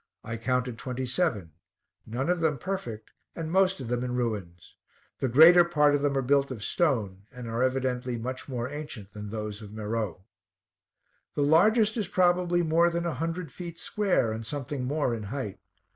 I counted twenty seven, none of them perfect, and most of them in ruins; the greater part of them are built of stone, and are evidently much more ancient than those of Meroe. The largest is probably more than a hundred feet square, and something more in height.